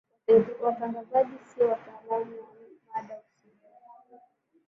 watangazaji siyo wataalamu wa mada husika